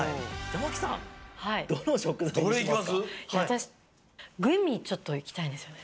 わたしグミちょっといきたいんですよね。